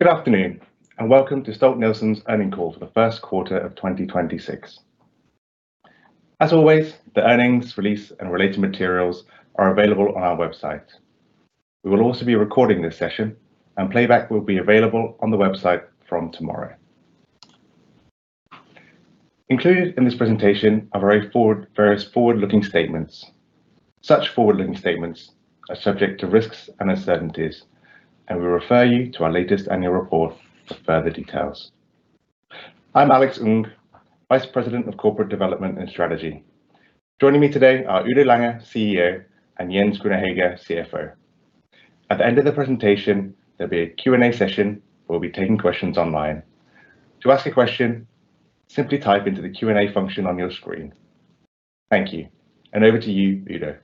Good afternoon, and welcome to Stolt-Nielsen's earnings call for the first quarter of 2026. As always, the earnings release and related materials are available on our website. We will also be recording this session, and playback will be available on the website from tomorrow. Included in this presentation are various forward-looking statements. Such forward-looking statements are subject to risks and uncertainties, and we refer you to our latest annual report for further details. I'm Alex Ng, Vice President of Corporate Development and Strategy. Joining me today are Udo Lange, CEO, and Jens Grüner-Hegge, CFO. At the end of the presentation, there'll be a Q&A session where we'll be taking questions online. To ask a question, simply type into the Q&A function on your screen. Thank you, and over to you, Udo.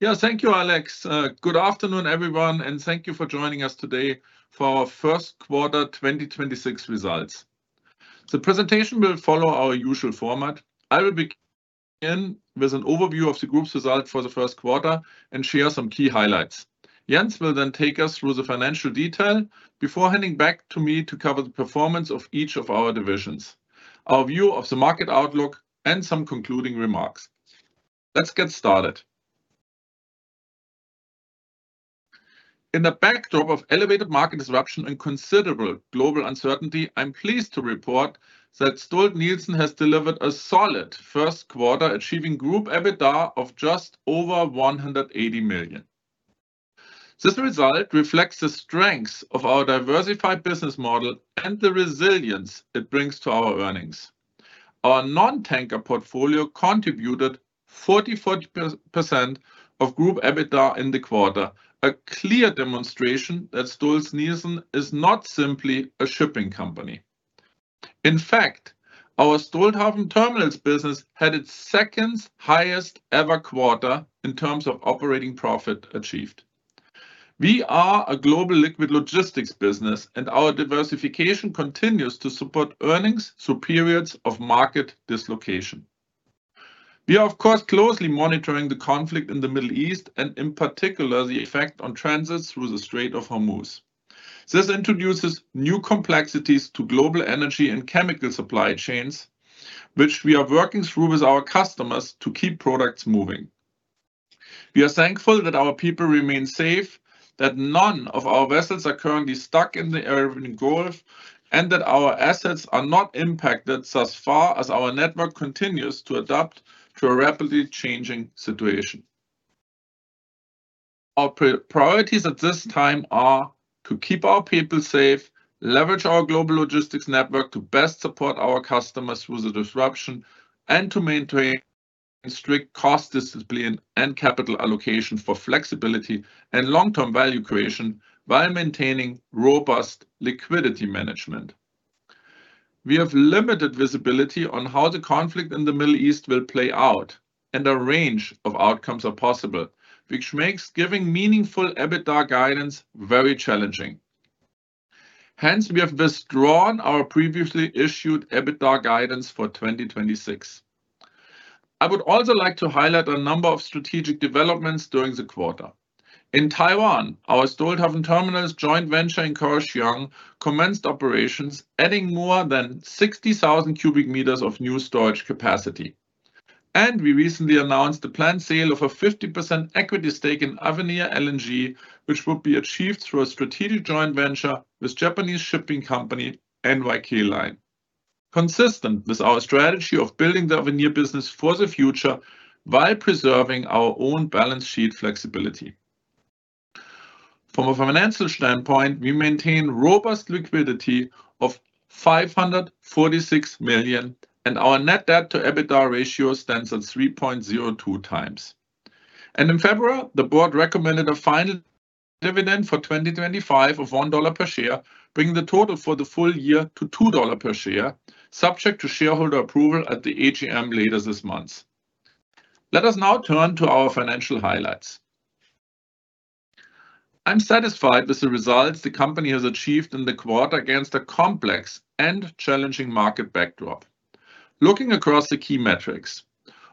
Yeah. Thank you, Alex. Good afternoon, everyone, and thank you for joining us today for our first quarter 2026 results. The presentation will follow our usual format. I will begin with an overview of the group's results for the first quarter and share some key highlights. Jens will then take us through the financial detail before handing back to me to cover the performance of each of our divisions, our view of the market outlook, and some concluding remarks. Let's get started. In the backdrop of elevated market disruption and considerable global uncertainty, I'm pleased to report that Stolt-Nielsen has delivered a solid first quarter, achieving group EBITDA of just over $180 million. This result reflects the strength of our diversified business model and the resilience it brings to our earnings. Our non-tanker portfolio contributed 44% of group EBITDA in the quarter, a clear demonstration that Stolt-Nielsen is not simply a shipping company. In fact, our Stolthaven Terminals business had its second highest ever quarter in terms of operating profit achieved. We are a global liquid logistics business, and our diversification continues to support earnings through periods of market dislocation. We are, of course, closely monitoring the conflict in the Middle East and, in particular, the effect on transits through the Strait of Hormuz. This introduces new complexities to global energy and chemical supply chains, which we are working through with our customers to keep products moving. We are thankful that our people remain safe, that none of our vessels are currently stuck in the Arabian Gulf, and that our assets are not impacted thus far, as our network continues to adapt to a rapidly changing situation. Our priorities at this time are to keep our people safe, leverage our global logistics network to best support our customers through the disruption, and to maintain strict cost discipline and capital allocation for flexibility and long-term value creation while maintaining robust liquidity management. We have limited visibility on how the conflict in the Middle East will play out, and a range of outcomes are possible, which makes giving meaningful EBITDA guidance very challenging. Hence, we have withdrawn our previously issued EBITDA guidance for 2026. I would also like to highlight a number of strategic developments during the quarter. In Taiwan, our Stolthaven Terminals joint venture in Kaohsiung commenced operations, adding more than 60,000 cubic meters of new storage capacity. We recently announced the planned sale of a 50% equity stake in Avenir LNG, which will be achieved through a strategic joint venture with Japanese shipping company NYK Line, consistent with our strategy of building the Avenir business for the future while preserving our own balance sheet flexibility. From a financial standpoint, we maintain robust liquidity of $546 million, and our net debt to EBITDA ratio stands at 3.02x. In February, the board recommended a final dividend for 2025 of $1 per share, bringing the total for the full year to $2 per share, subject to shareholder approval at the AGM later this month. Let us now turn to our financial highlights. I'm satisfied with the results the company has achieved in the quarter against a complex and challenging market backdrop. Looking across the key metrics,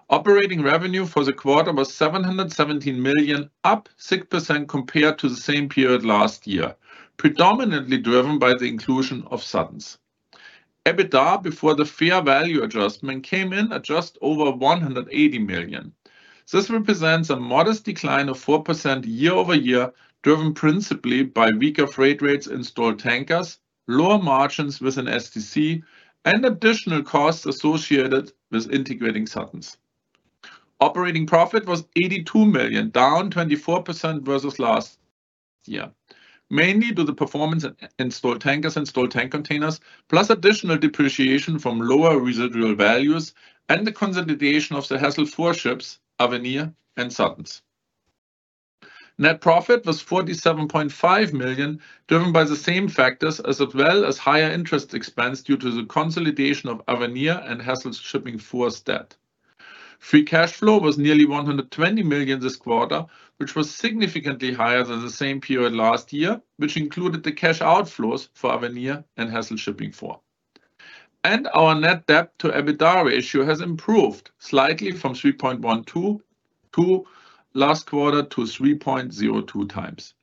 operating revenue for the quarter was $717 million, up 6% compared to the same period last year, predominantly driven by the inclusion of Suttons. EBITDA before the fair value adjustment came in at just over $180 million. This represents a modest decline of 4% year-over-year, driven principally by weaker freight rates in Stolt Tankers, lower margins within STC, and additional costs associated with integrating Suttons. Operating profit was $82 million, down 24% versus last year, mainly due to the performance in Stolt Tankers and Stolt Tank Containers, plus additional depreciation from lower residual values and the consolidation of the Hassel 4 ships, Avenir, and Suttons. Net profit was $47.5 million, driven by the same factors, as well as higher interest expense due to the consolidation of Avenir and Hassel Shipping 4's debt. Free cash flow was nearly $120 million this quarter, which was significantly higher than the same period last year, which included the cash outflows for Avenir and Hassel Shipping 4. Our net debt to EBITDA ratio has improved slightly from 3.12x last quarter to 3.02x times.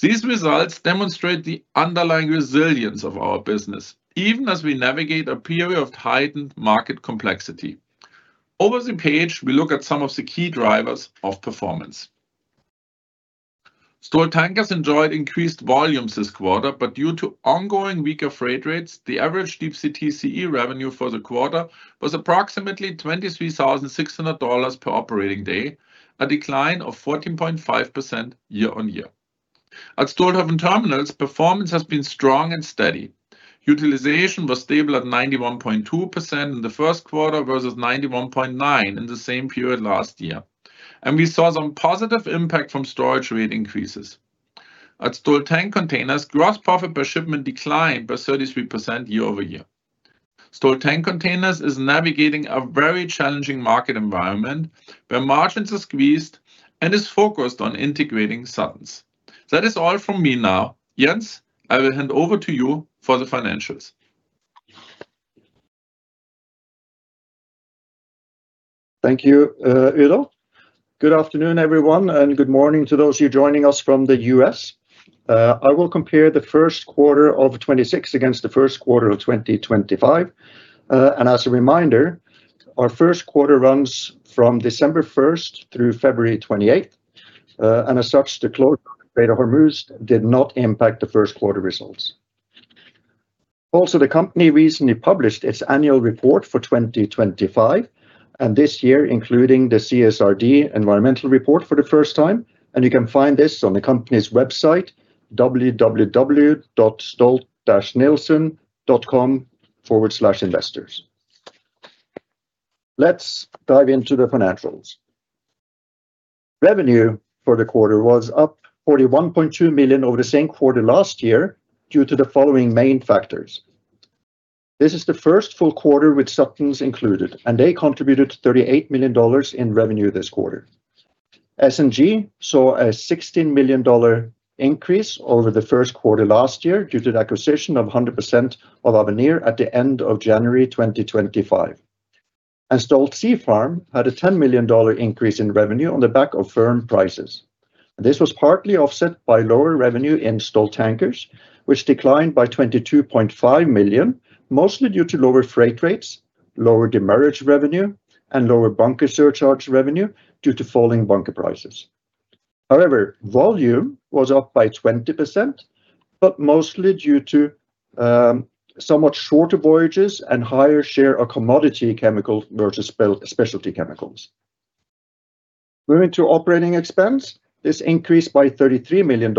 These results demonstrate the underlying resilience of our business, even as we navigate a period of heightened market complexity. Over the page, we look at some of the key drivers of performance. Stolt Tankers enjoyed increased volumes this quarter, but due to ongoing weaker freight rates, the average deep sea TCE revenue for the quarter was approximately $23,600 per operating day, a decline of 14.5% year-over-year. At Stolthaven Terminals, performance has been strong and steady. Utilization was stable at 91.2% in the first quarter versus 91.9% in the same period last year, and we saw some positive impact from storage rate increases. At Stolt Tank Containers, gross profit per shipment declined by 33% year-over-year. Stolt Tank Containers is navigating a very challenging market environment where margins are squeezed and is focused on integrating Suttons. That is all from me now. Jens, I will hand over to you for the financials. Thank you, Udo. Good afternoon, everyone, and good morning to those of you joining us from the U.S. I will compare the first quarter of 2026 against the first quarter of 2025. As a reminder, our first quarter runs from December 1st through February 28th. As such, the closure of Strait of Hormuz did not impact the first quarter results. Also, the company recently published its annual report for 2025, and this year, including the CSRD environmental report for the first time, and you can find this on the company's website, www.stolt-nielsen.com/investors. Let's dive into the financials. Revenue for the quarter was up $41.2 million over the same quarter last year due to the following main factors. This is the first full quarter with Suttons included, and they contributed $38 million in revenue this quarter. SG&A saw a $16 million increase over the first quarter last year due to the acquisition of 100% of Avenir at the end of January 2025. Stolt Sea Farm had a $10 million increase in revenue on the back of firm prices. This was partly offset by lower revenue in Stolt Tankers, which declined by $22.5 million, mostly due to lower freight rates, lower demurrage revenue, and lower bunker surcharge revenue due to falling bunker prices. However, volume was up by 20%, but mostly due to somewhat shorter voyages and higher share of commodity chemicals versus specialty chemicals. Moving to operating expense, this increased by $33 million,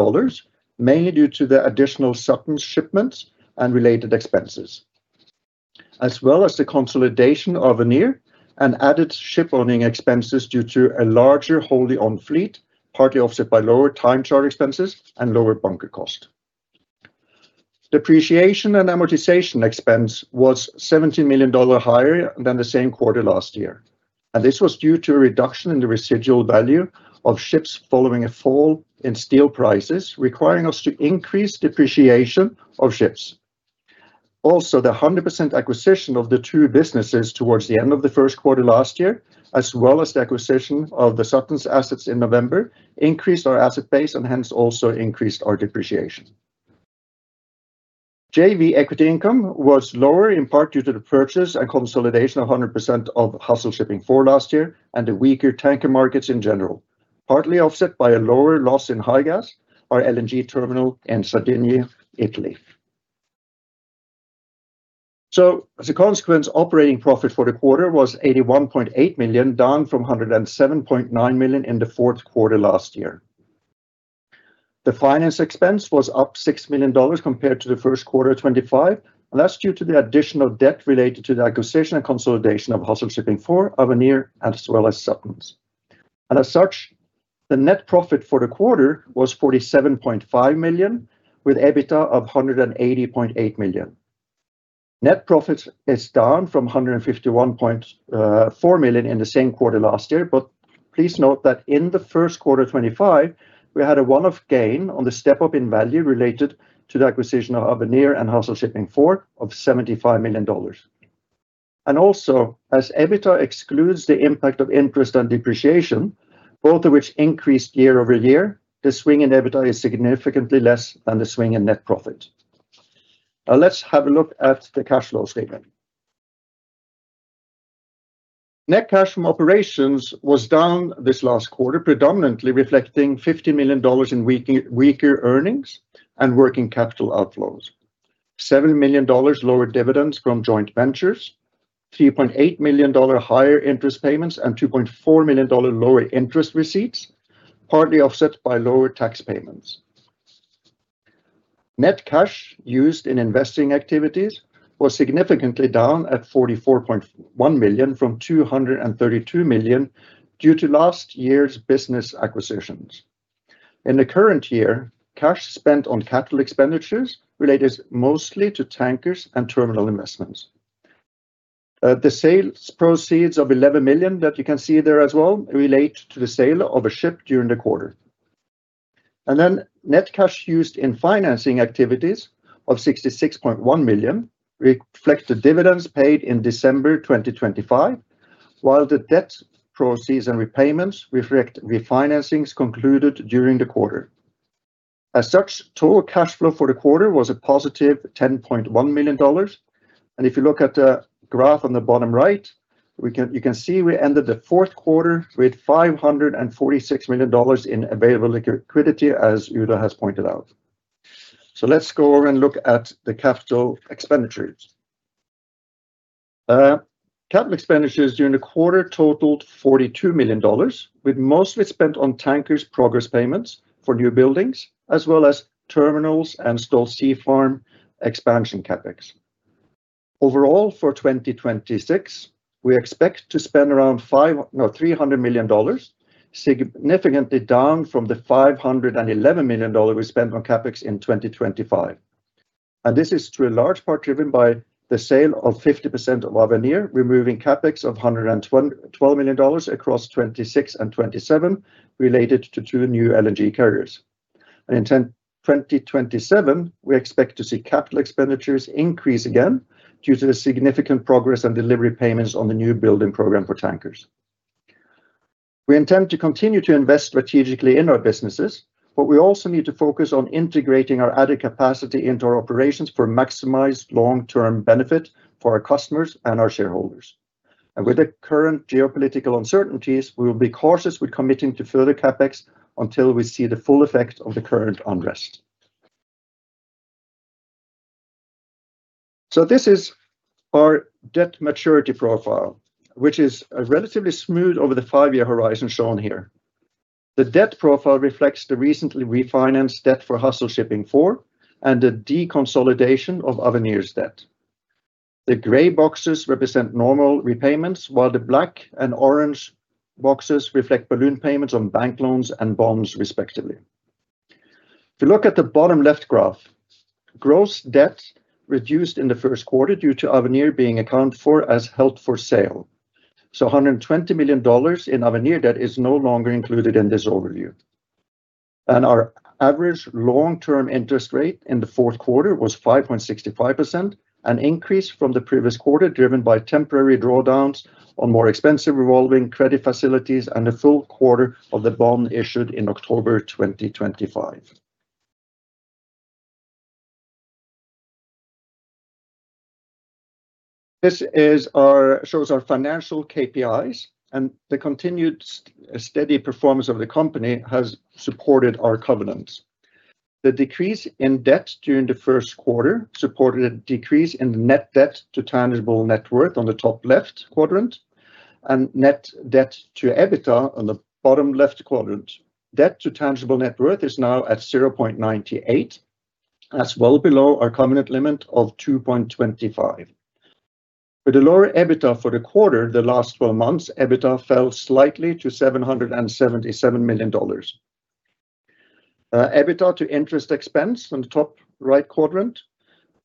mainly due to the additional Suttons shipments and related expenses. As well as the consolidation of Avenir and added shipowning expenses due to a larger wholly owned fleet, partly offset by lower time charter expenses and lower bunker cost. Depreciation and amortization expense was $17 million higher than the same quarter last year, and this was due to a reduction in the residual value of ships following a fall in steel prices, requiring us to increase depreciation of ships. Also, the 100% acquisition of the two businesses towards the end of the first quarter last year, as well as the acquisition of the Suttons assets in November, increased our asset base and hence also increased our depreciation. JV equity income was lower, in part due to the purchase and consolidation of 100% of Hassel Shipping 4 last year and the weaker tanker markets in general, partly offset by a lower loss in Higas, our LNG terminal in Sardinia, Italy. As a consequence, operating profit for the quarter was $81.8 million, down from $107.9 million in the fourth quarter last year. The finance expense was up $6 million compared to the first quarter 2025. That's due to the additional debt related to the acquisition and consolidation of Hassel Shipping 4, Avenir, as well as Suttons. As such, the net profit for the quarter was $47.5 million, with EBITDA of $180.8 million. Net profit is down from $151.4 million in the same quarter last year, but please note that in the first quarter 2025, we had a one-off gain on the step-up in value related to the acquisition of Avenir and Hassel Shipping 4 of $75 million. Also, as EBITDA excludes the impact of interest and depreciation, both of which increased year-over-year, the swing in EBITDA is significantly less than the swing in net profit. Now let's have a look at the cash flow statement. Net cash from operations was down this last quarter, predominantly reflecting $50 million in weaker earnings and working capital outflows, $7 million lower dividends from joint ventures, $3.8 million higher interest payments, and $2.4 million lower interest receipts, partly offset by lower tax payments. Net cash used in investing activities was significantly down at $44.1 million from $232 million due to last year's business acquisitions. In the current year, cash spent on capital expenditures related mostly to tankers and terminal investments. The sales proceeds of $11 million that you can see there as well relate to the sale of a ship during the quarter. Net cash used in financing activities of $66.1 million reflect the dividends paid in December 2025, while the debt proceeds and repayments reflect refinancings concluded during the quarter. As such, total cash flow for the quarter was a +$10.1 million. If you look at the graph on the bottom right, you can see we ended the fourth quarter with $546 million in available liquidity, as Udo has pointed out. Let's go and look at the capital expenditures. Capital expenditures during the quarter totaled $42 million, with most spent on tankers progress payments for new buildings, as well as terminals and Stolt Sea Farm expansion CapEx. Overall, for 2026, we expect to spend around $300 million, significantly down from the $511 million we spent on CapEx in 2025. This is to a large part driven by the sale of 50% of Avenir, removing CapEx of $112 million across 2026 and 2027 related to two new LNG carriers. In 2027, we expect to see capital expenditures increase again due to the significant progress and delivery payments on the new building program for tankers. We intend to continue to invest strategically in our businesses, but we also need to focus on integrating our added capacity into our operations to maximize long-term benefit for our customers and our shareholders. With the current geopolitical uncertainties, we will be cautious with committing to further CapEx until we see the full effect of the current unrest. This is our debt maturity profile, which is relatively smooth over the five-year horizon shown here. The debt profile reflects the recently refinanced debt for Hassel Shipping 4 and the deconsolidation of Avenir's debt. The gray boxes represent normal repayments, while the black and orange boxes reflect balloon payments on bank loans and bonds respectively. If you look at the bottom left graph, gross debt reduced in the first quarter due to Avenir being accounted for as held for sale. $120 million in Avenir debt is no longer included in this overview. Our average long-term interest rate in the fourth quarter was 5.65%, an increase from the previous quarter, driven by temporary drawdowns on more expensive revolving credit facilities and a full quarter of the bond issued in October 2025. This shows our financial KPIs, and the continued steady performance of the company has supported our covenants. The decrease in debt during the first quarter supported a decrease in the net debt to tangible net worth on the top left quadrant, and net debt to EBITDA on the bottom left quadrant. Debt to tangible net worth is now at 0.98x, that's well below our covenant limit of 2.25x. With a lower EBITDA for the quarter, the last 12 months, EBITDA fell slightly to $777 million. EBITDA to interest expense on the top right quadrant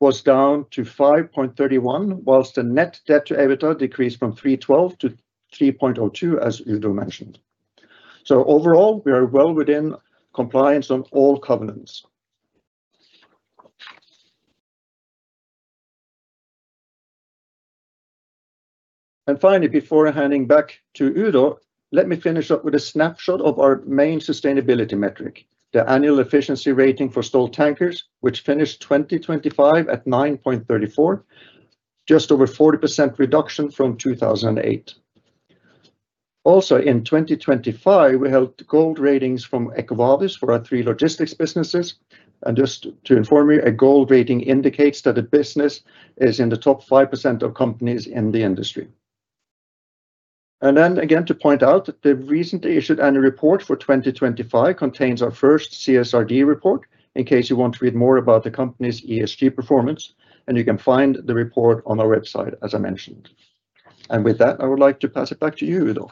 was down to 5.31x, while the net debt to EBITDA decreased from 3.12x to 3.02x, as Udo mentioned. Overall, we are well within compliance on all covenants. Finally, before handing back to Udo, let me finish up with a snapshot of our main sustainability metric, the annual efficiency rating for Stolt Tankers, which finished 2025 at 9.34 g/tonne-nm, just over 40% reduction from 2008. Also in 2025, we held gold ratings from EcoVadis for our three logistics businesses. Just to inform you, a gold rating indicates that a business is in the top 5% of companies in the industry. Then again, to point out, the recently issued annual report for 2025 contains our first CSRD report, in case you want to read more about the company's ESG performance, and you can find the report on our website, as I mentioned. With that, I would like to pass it back to you, Udo.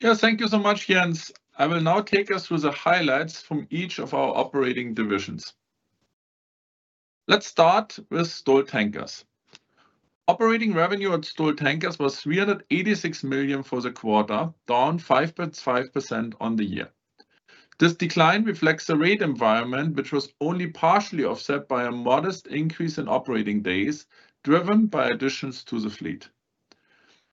Yeah. Thank you so much, Jens. I will now take us through the highlights from each of our operating divisions. Let's start with Stolt Tankers. Operating revenue at Stolt Tankers was $386 million for the quarter, down 5.5% on the year. This decline reflects the rate environment, which was only partially offset by a modest increase in operating days, driven by additions to the fleet.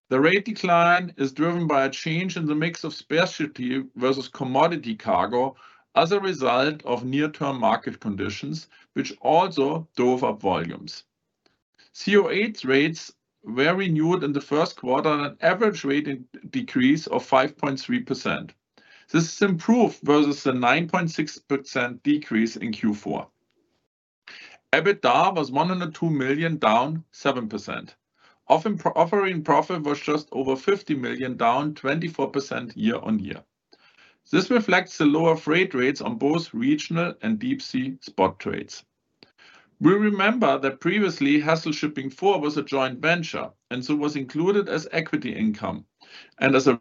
The rate decline is driven by a change in the mix of specialty versus commodity cargo as a result of near-term market conditions, which also drove up volumes. COA rates were renewed in the first quarter on an average rate decrease of 5.3%. This is improved versus the 9.6% decrease in Q4. EBITDA was $102 million, down 7%. Operating profit was just over $50 million, down 24% year-over-year. This reflects the lower freight rates on both regional and deep-sea spot trades. We remember that previously Hassel Shipping 4 was a joint venture and so was included as equity income. As a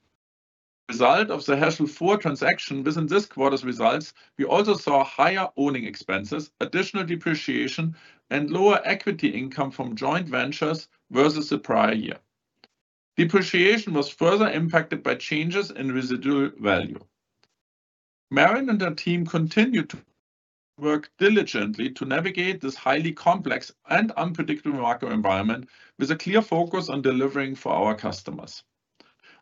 result of the Hassel 4 transaction, within this quarter's results, we also saw higher owning expenses, additional depreciation, and lower equity income from joint ventures versus the prior year. Depreciation was further impacted by changes in residual value. Maren and her team continued to work diligently to navigate this highly complex and unpredictable market environment with a clear focus on delivering for our customers.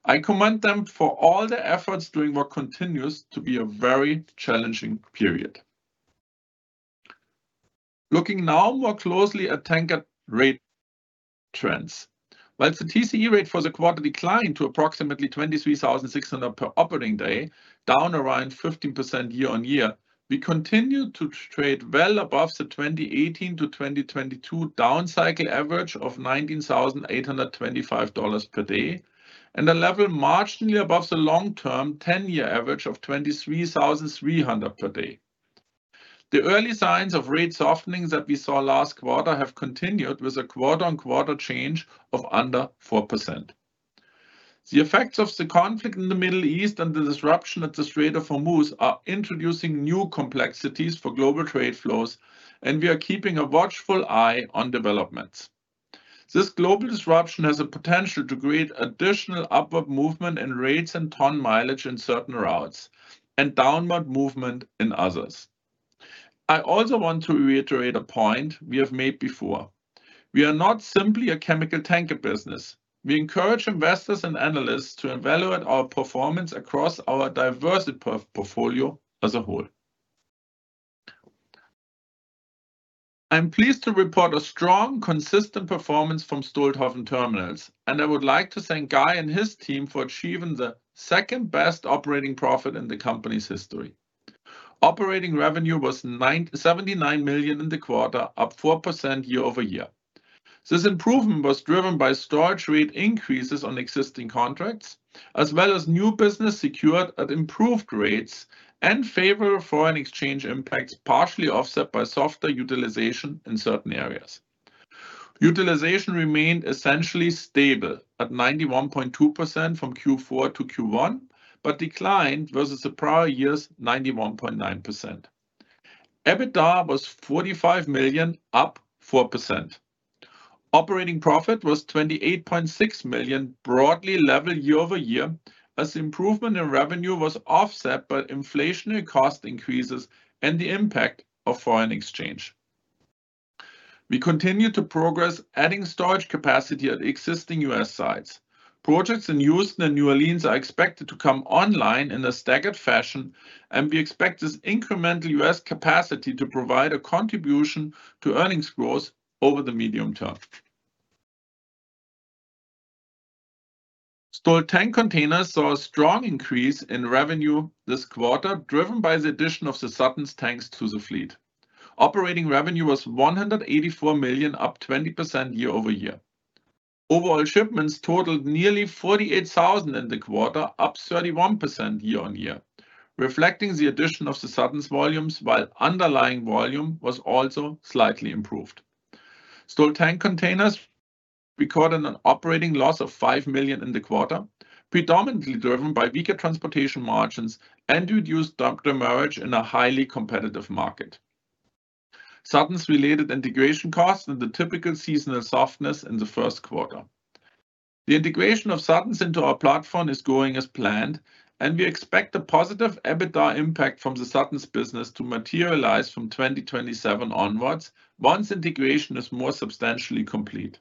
I commend them for all their efforts during what continues to be a very challenging period. Looking now more closely at tanker rate trends. While the TCE rate for the quarter declined to approximately $23,600 per operating day, down around 15% year-on-year, we continued to trade well above the 2018-2022 down cycle average of $19,825 per day, and a level marginally above the long-term 10-year average of $23,300 per day. The early signs of rate softening that we saw last quarter have continued, with a quarter-on-quarter change of under 4%. The effects of the conflict in the Middle East and the disruption at the Strait of Hormuz are introducing new complexities for global trade flows, and we are keeping a watchful eye on developments. This global disruption has the potential to create additional upward movement in rates and ton mileage in certain routes and downward movement in others. I also want to reiterate a point we have made before. We are not simply a chemical tanker business. We encourage investors and analysts to evaluate our performance across our diverse portfolio as a whole. I'm pleased to report a strong, consistent performance from Stolthaven Terminals, and I would like to thank Guy and his team for achieving the second-best operating profit in the company's history. Operating revenue was $79 million in the quarter, up 4% year-over-year. This improvement was driven by storage rate increases on existing contracts, as well as new business secured at improved rates and favorable foreign exchange impacts, partially offset by softer utilization in certain areas. Utilization remained essentially stable at 91.2% from Q4 to Q1, but declined versus the prior year's 91.9%. EBITDA was $45 million, up 4%. Operating profit was $28.6 million, broadly level year-over-year, as improvement in revenue was offset by inflationary cost increases and the impact of foreign exchange. We continue to progress adding storage capacity at existing U.S. sites. Projects in Houston and New Orleans are expected to come online in a staggered fashion, and we expect this incremental U.S. capacity to provide a contribution to earnings growth over the medium term. Stolt Tank Containers saw a strong increase in revenue this quarter, driven by the addition of the Suttons tanks to the fleet. Operating revenue was $184 million, up 20% year-over-year. Overall shipments totaled nearly 48,000 in the quarter, up 31% year-over-year, reflecting the addition of the Suttons volumes, while underlying volume was also slightly improved. Stolt Tank Containers recorded an operating loss of $5 million in the quarter, predominantly driven by weaker transportation margins and reduced demurrage in a highly competitive market, Suttons-related integration costs and the typical seasonal softness in the first quarter. The integration of Suttons into our platform is going as planned, and we expect a positive EBITDA impact from the Suttons business to materialize from 2027 onwards once integration is more substantially complete.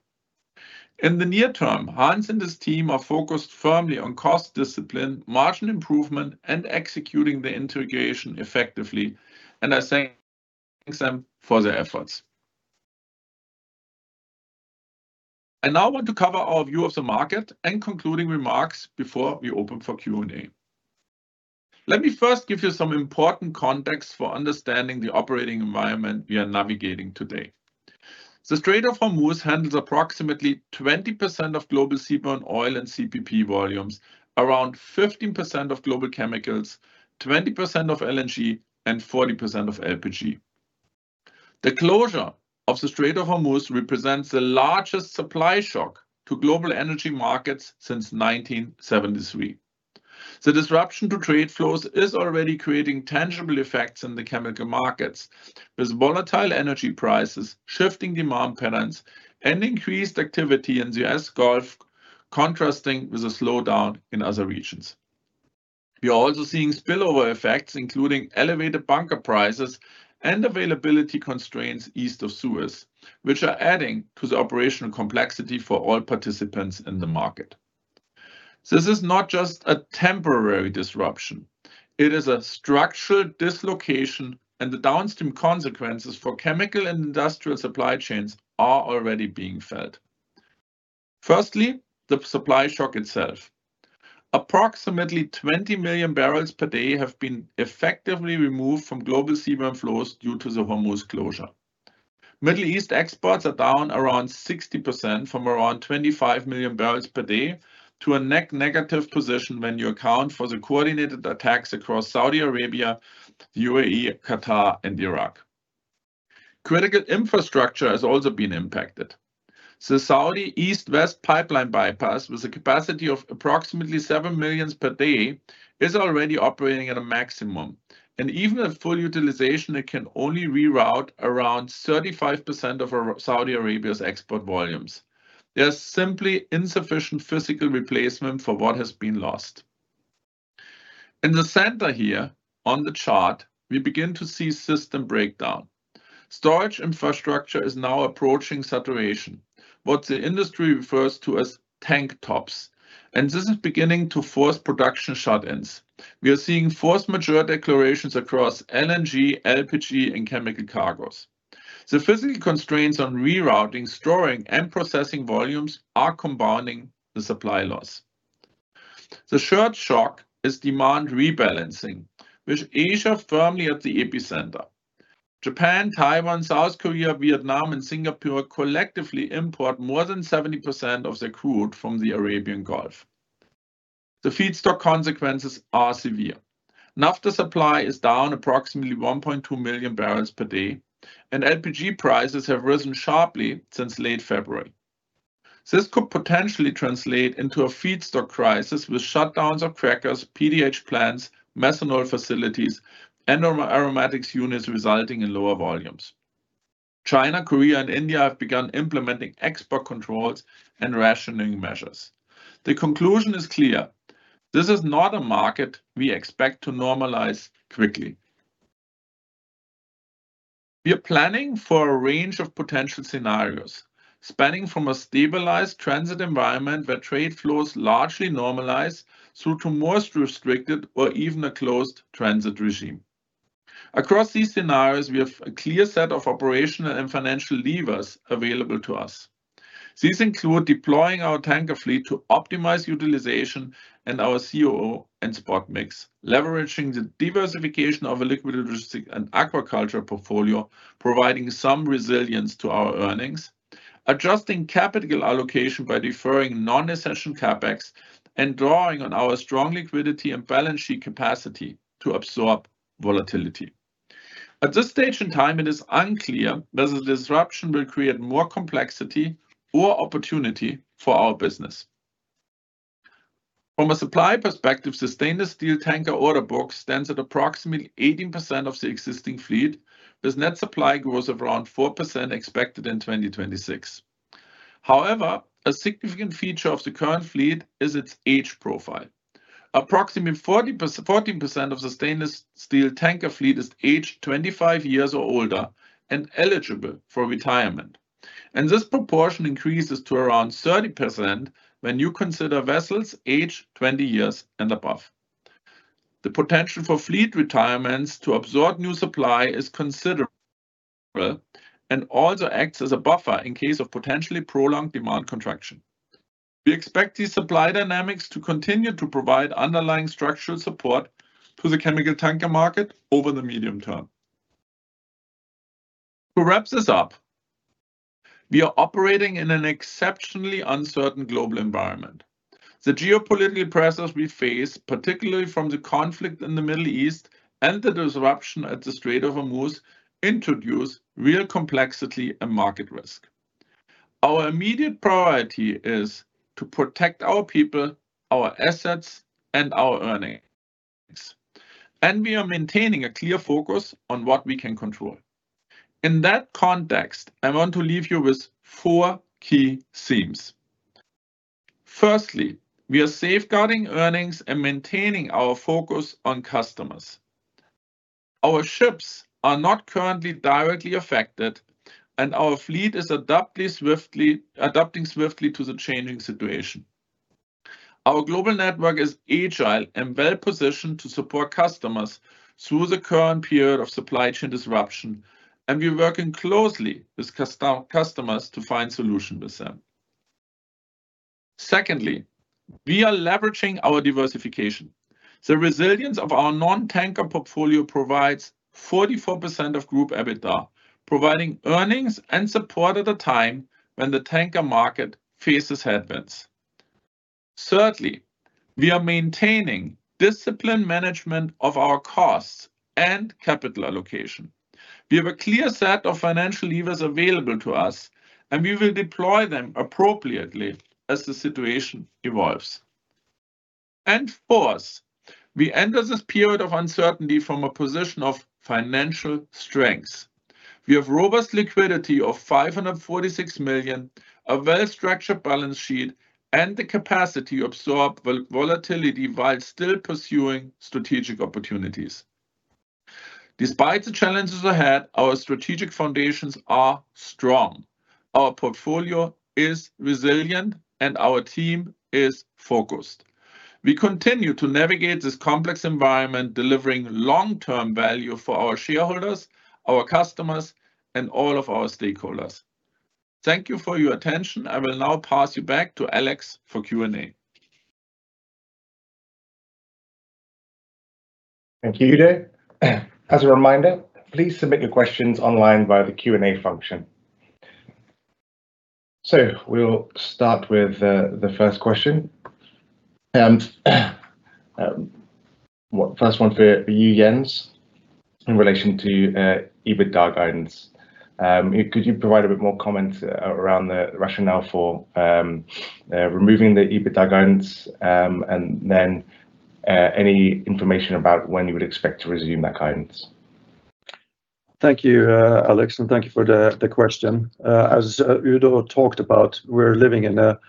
In the near term, Hans and his team are focused firmly on cost discipline, marginal improvement, and executing the integration effectively, and I thank them for their efforts. I now want to cover our view of the market and concluding remarks before we open for Q&A. Let me first give you some important context for understanding the operating environment we are navigating today. The Strait of Hormuz handles approximately 20% of global seaborne oil and CPP volumes, around 15% of global chemicals, 20% of LNG, and 40% of LPG. The closure of the Strait of Hormuz represents the largest supply shock to global energy markets since 1973. The disruption to trade flows is already creating tangible effects in the chemical markets, with volatile energy prices, shifting demand patterns, and increased activity in the U.S. Gulf contrasting with a slowdown in other regions. We are also seeing spillover effects, including elevated bunker prices and availability constraints East of Suez, which are adding to the operational complexity for all participants in the market. This is not just a temporary disruption. It is a structural dislocation, and the downstream consequences for chemical and industrial supply chains are already being felt. Firstly, the supply shock itself. Approximately 20 MMbbl/d have been effectively removed from global seaborne flows due to the Hormuz closure. Middle East exports are down around 60% from around 25 MMbbl/d to a negative position when you account for the coordinated attacks across Saudi Arabia, the U.A.E., Qatar, and Iraq. Critical infrastructure has also been impacted. The Saudi East-West Pipeline bypass, with a capacity of approximately 7 MMbbl/d, is already operating at a maximum, and even at full utilization, it can only reroute around 35% of Saudi Arabia's export volumes. There's simply insufficient physical replacement for what has been lost. In the center here on the chart, we begin to see system breakdown. Storage infrastructure is now approaching saturation, what the industry refers to as tank tops, and this is beginning to force production shut-ins. We are seeing force majeure declarations across LNG, LPG, and chemical cargoes. The physical constraints on rerouting, storing, and processing volumes are compounding the supply loss. The third shock is demand rebalancing, with Asia firmly at the epicenter. Japan, Taiwan, South Korea, Vietnam, and Singapore collectively import more than 70% of their crude from the Arabian Gulf. The feedstock consequences are severe. Naphtha supply is down approximately 1.2 MMbbl/d, and LPG prices have risen sharply since late February. This could potentially translate into a feedstock crisis with shutdowns of crackers, PDH plants, methanol facilities, and aromatics units, resulting in lower volumes. China, Korea, and India have begun implementing export controls and rationing measures. The conclusion is clear. This is not a market we expect to normalize quickly. We are planning for a range of potential scenarios, spanning from a stabilized transit environment where trade flows largely normalize through to most restricted or even a closed transit regime. Across these scenarios, we have a clear set of operational and financial levers available to us. These include deploying our tanker fleet to optimize utilization and our COA and spot mix, leveraging the diversification of a liquid logistics and aquaculture portfolio, providing some resilience to our earnings, adjusting capital allocation by deferring non-essential CapEx, and drawing on our strong liquidity and balance sheet capacity to absorb volatility. At this stage in time, it is unclear whether disruption will create more complexity or opportunity for our business. From a supply perspective, the stainless steel tanker order book stands at approximately 18% of the existing fleet, with net supply growth of around 4% expected in 2026. However, a significant feature of the current fleet is its age profile. Approximately 14% of the stainless steel tanker fleet is aged 25 years or older and eligible for retirement. This proportion increases to around 30% when you consider vessels aged 20 years and above. The potential for fleet retirements to absorb new supply is considerable and also acts as a buffer in case of potentially prolonged demand contraction. We expect these supply dynamics to continue to provide underlying structural support to the chemical tanker market over the medium term. To wrap this up, we are operating in an exceptionally uncertain global environment. The geopolitical pressures we face, particularly from the conflict in the Middle East and the disruption at the Strait of Hormuz, introduce real complexity and market risk. Our immediate priority is to protect our people, our assets, and our earnings. We are maintaining a clear focus on what we can control. In that context, I want to leave you with four key themes. Firstly, we are safeguarding earnings and maintaining our focus on customers. Our ships are not currently directly affected, and our fleet is adapting swiftly to the changing situation. Our global network is agile and well-positioned to support customers through the current period of supply chain disruption, and we are working closely with customers to find solutions with them. Secondly, we are leveraging our diversification. The resilience of our non-tanker portfolio provides 44% of group EBITDA, providing earnings and support at a time when the tanker market faces headwinds. Thirdly, we are maintaining disciplined management of our costs and capital allocation. We have a clear set of financial levers available to us, and we will deploy them appropriately as the situation evolves. Fourth, we enter this period of uncertainty from a position of financial strength. We have robust liquidity of $546 million, a well-structured balance sheet, and the capacity to absorb volatility while still pursuing strategic opportunities. Despite the challenges ahead, our strategic foundations are strong, our portfolio is resilient, and our team is focused. We continue to navigate this complex environment, delivering long-term value for our shareholders, our customers, and all of our stakeholders. Thank you for your attention. I will now pass you back to Alex for Q&A. Thank you, Udo. As a reminder, please submit your questions online via the Q&A function. We will start with the first question. First one for you, Jens F. Grüner-Hegge, in relation to EBITDA guidance. Could you provide a bit more comment around the rationale for removing the EBITDA guidance, and then any information about when you would expect to resume that guidance? Thank you, Alex, and thank you for the question. As Udo talked about, we're living in a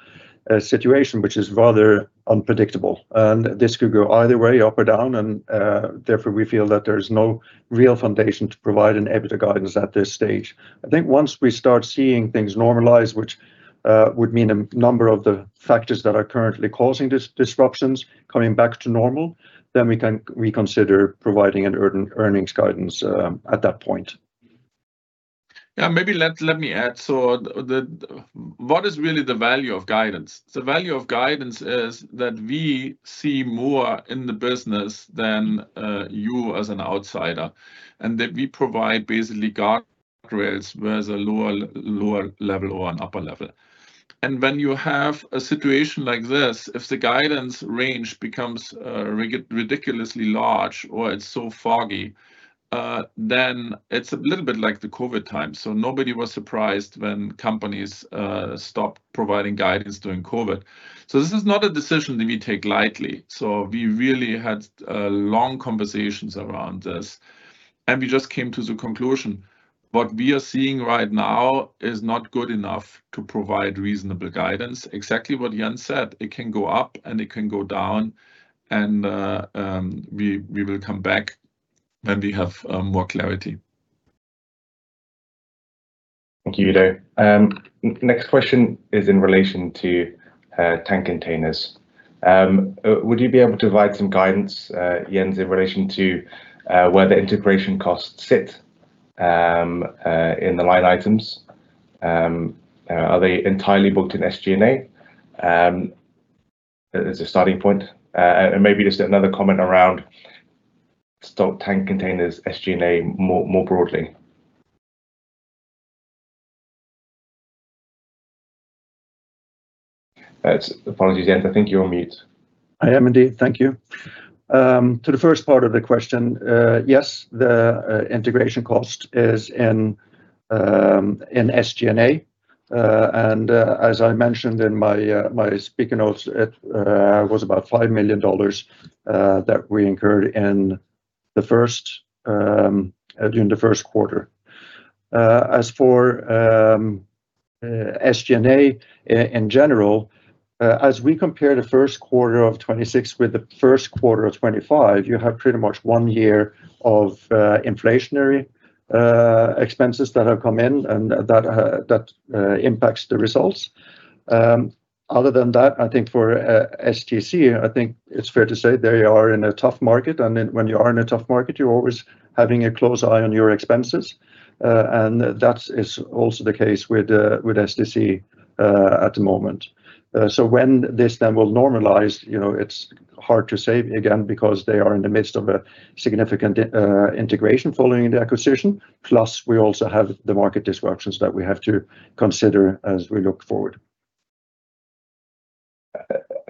situation which is rather unpredictable, and this could go either way, up or down, and therefore we feel that there's no real foundation to provide an EBITDA guidance at this stage. I think once we start seeing things normalize, which would mean a number of the factors that are currently causing disruptions coming back to normal, then we can reconsider providing an earnings guidance at that point. Yeah, maybe let me add. What is really the value of guidance? The value of guidance is that we see more in the business than you as an outsider, and that we provide basically guardrails where there's a lower level or an upper level. When you have a situation like this, if the guidance range becomes ridiculously large or it's so foggy, then it's a little bit like the COVID time. Nobody was surprised when companies stopped providing guidance during COVID. This is not a decision that we take lightly. We really had long conversations around this, and we just came to the conclusion, what we are seeing right now is not good enough to provide reasonable guidance. Exactly what Jens said, it can go up, and it can go down, and we will come back when we have more clarity. Thank you, Udo. Next question is in relation to tank containers. Would you be able to provide some guidance, Jens, in relation to where the integration costs sit in the line items? Are they entirely booked in SG&A, as a starting point? Maybe just another comment around Stolt Tank Containers, SG&A, more broadly. Apologies, Jens, I think you're on mute. I am indeed. Thank you. To the first part of the question, yes, the integration cost is in SG&A. As I mentioned in my speaker notes, it was about $5 million that we incurred during the first quarter. As for SG&A in general, as we compare the first quarter of 2026 with the first quarter of 2025, you have pretty much one year of inflationary expenses that have come in, and that impacts the results. Other than that, I think for STC, I think it's fair to say they are in a tough market, and when you are in a tough market, you're always having a close eye on your expenses. That is also the case with STC at the moment. When this then will normalize, it's hard to say, again, because they are in the midst of a significant integration following the acquisition, plus we also have the market disruptions that we have to consider as we look forward.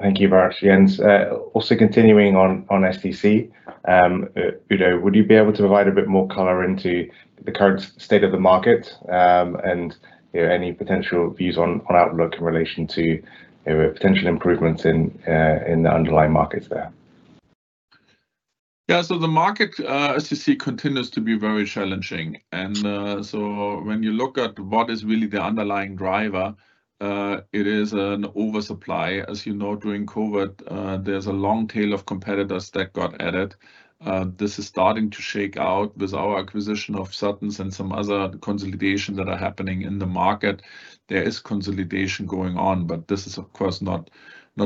Thank you very much, Jens. Also continuing on STC. Udo, would you be able to provide a bit more color into the current state of the market, and any potential views on outlook in relation to potential improvements in the underlying markets there? Yeah. The market, as you see, continues to be very challenging. When you look at what is really the underlying driver, it is an oversupply. As you know, during COVID, there's a long tail of competitors that got added. This is starting to shake out with our acquisition of Suttons and some other consolidation that are happening in the market. There is consolidation going on, but this is of course not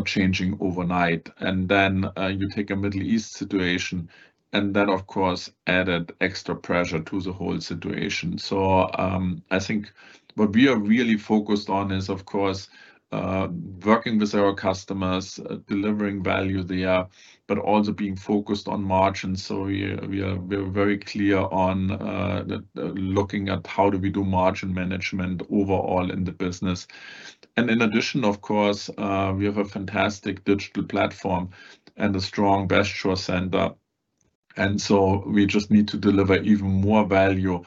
changing overnight. You take a Middle East situation, and that of course added extra pressure to the whole situation. I think what we are really focused on is, of course, working with our customers, delivering value there, but also being focused on margins. We are very clear on looking at how do we do margin management overall in the business. In addition, of course, we have a fantastic digital platform and a strong Best Shore center. We just need to deliver even more value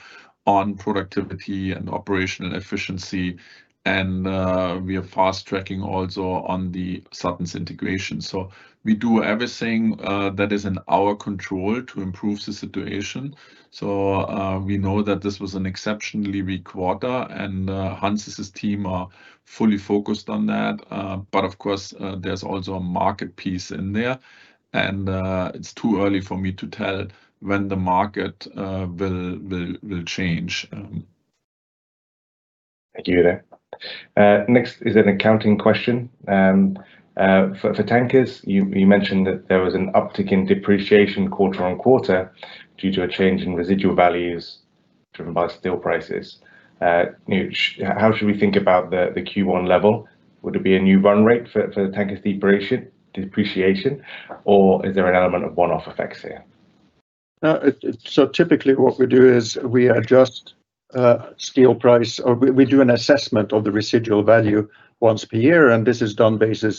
on productivity and operational efficiency. We are fast-tracking also on the Suttons integration. We do everything that is in our control to improve the situation. We know that this was an exceptionally weak quarter, and Hans's team are fully focused on that. Of course, there's also a market piece in there, and it's too early for me to tell when the market will change. Thank you, Udo. Next is an accounting question. For tankers, you mentioned that there was an uptick in depreciation quarter-over-quarter due to a change in residual values driven by steel prices. How should we think about the Q1 level? Would it be a new run rate for the tankers depreciation, or is there an element of one-off effects here? Typically what we do is we adjust steel prices, or we do an assessment of the residual value once per year, and this is done based on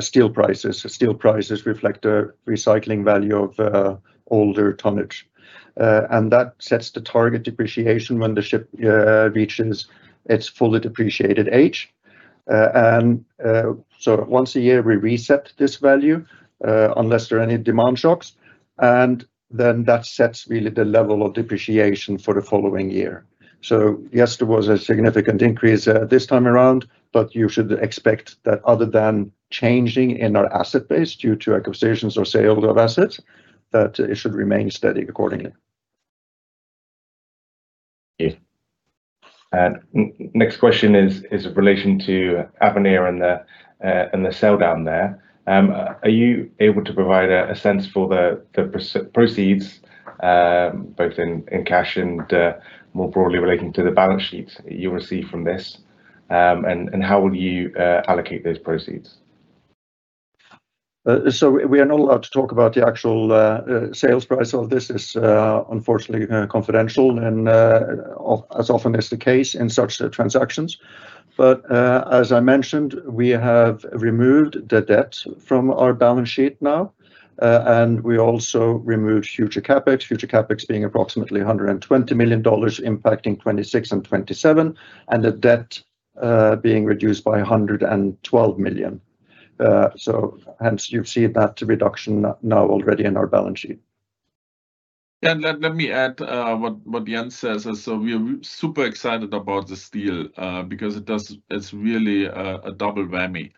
steel prices. Steel prices reflect the recycling value of older tonnage. That sets the target depreciation when the ship reaches its fully depreciated age. Once a year, we reset this value, unless there are any demand shocks. Then that sets really the level of depreciation for the following year. Yes, there was a significant increase this time around, but you should expect that other than changing in our asset base due to acquisitions or sale of assets, that it should remain steady accordingly. Yeah. Next question is in relation to Avenir and the sell down there. Are you able to provide a sense for the proceeds, both in cash and more broadly relating to the balance sheet you receive from this? How will you allocate those proceeds? We are not allowed to talk about the actual sales price of this. It's unfortunately confidential and as often is the case in such transactions. As I mentioned, we have removed the debt from our balance sheet now. We also removed future CapEx, future CapEx being approximately $120 million, impacting 2026 and 2027, and the debt being reduced by $112 million. Hence you see that reduction now already in our balance sheet. Let me add what Jens says. We are super excited about this deal, because it's really a double whammy.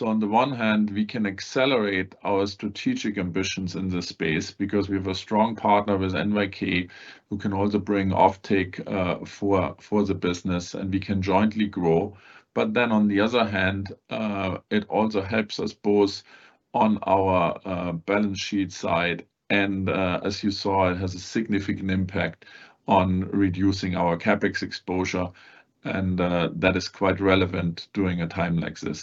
On the one hand, we can accelerate our strategic ambitions in this space because we have a strong partner with NYK who can also bring offtake for the business, and we can jointly grow. On the other hand, it also helps us both on our balance sheet side and, as you saw, it has a significant impact on reducing our CapEx exposure, and that is quite relevant during a time like this.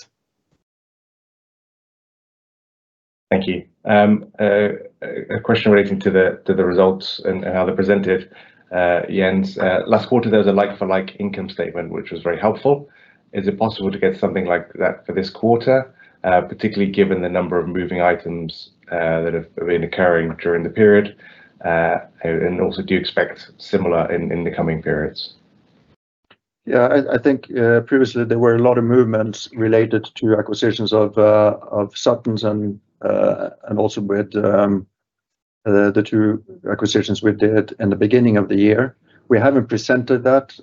Thank you. A question relating to the results and how they're presented. Jens, last quarter, there was a like-for-like income statement, which was very helpful. Is it possible to get something like that for this quarter? Particularly given the number of moving items that have been occurring during the period. Also, do you expect similar in the coming periods? Yeah, I think previously there were a lot of movements related to acquisitions of Suttons and also with the two acquisitions we did in the beginning of the year. We haven't presented that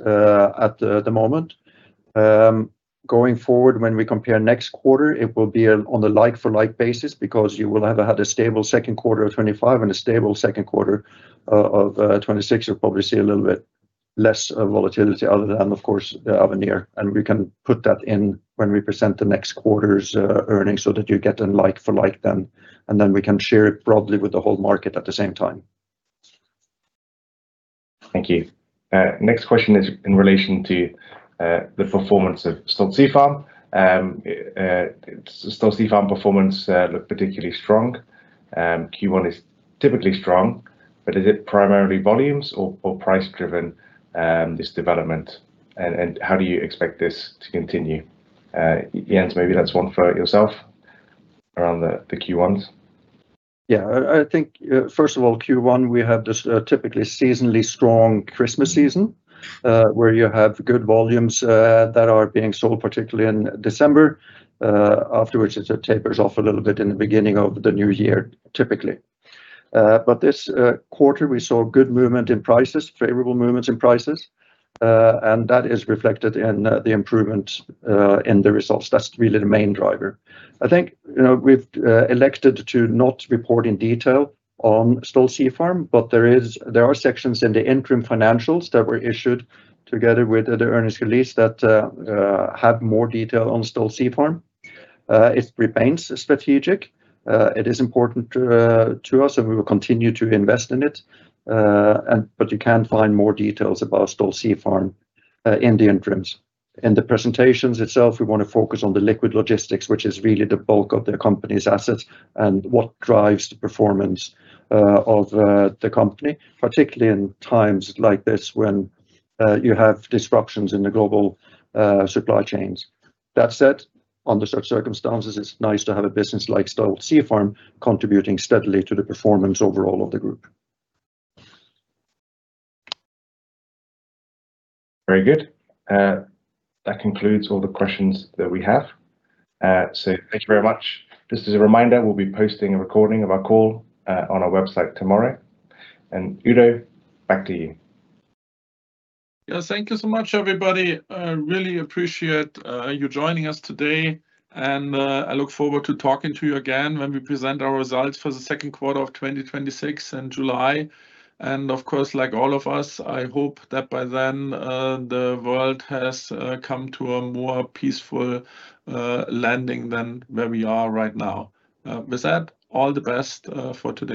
at the moment. Going forward, when we compare next quarter, it will be on a like-for-like basis because you will have had a stable second quarter of 2025 and a stable second quarter of 2026. You'll probably see a little bit less volatility other than, of course, Avenir. We can put that in when we present the next quarter's earnings so that you get a like-for-like then, and then we can share it broadly with the whole market at the same time. Thank you. Next question is in relation to the performance of Stolt Sea Farm. Stolt Sea Farm performance looked particularly strong. Q1 is typically strong, but is it primarily volumes or price driven, this development? How do you expect this to continue? Jens, maybe that's one for yourself around the Q1s. Yeah, I think first of all, Q1, we have this typically seasonally strong Christmas season, where you have good volumes that are being sold, particularly in December, afterwards it tapers off a little bit in the beginning of the new year, typically. This quarter we saw good movement in prices, favorable movements in prices, and that is reflected in the improvement in the results. That's really the main driver. I think we've elected to not report in detail on Stolt Sea Farm, but there are sections in the interim financials that were issued together with the earnings release that have more detail on Stolt Sea Farm. It remains strategic. It is important to us, and we will continue to invest in it. You can find more details about Stolt Sea Farm in the interims. In the presentations itself, we want to focus on the liquid logistics, which is really the bulk of the company's assets and what drives the performance of the company, particularly in times like this when you have disruptions in the global supply chains. That said, under such circumstances, it's nice to have a business like Stolt Sea Farm contributing steadily to the performance overall of the group. Very good. That concludes all the questions that we have. Thank you very much. Just as a reminder, we'll be posting a recording of our call on our website tomorrow. Udo, back to you. Yeah. Thank you so much, everybody. I really appreciate you joining us today, and I look forward to talking to you again when we present our results for the second quarter of 2026 in July. Of course, like all of us, I hope that by then, the world has come to a more peaceful landing than where we are right now. With that, all the best for today.